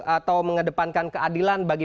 atau mengedepankan keadilan bagi